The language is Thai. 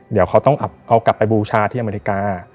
เดี๋ยวเขาต้องเอากลับไปบูชาที่อเมริกา